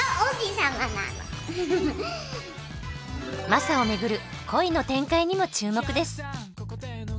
マサを巡る恋の展開にも注目です。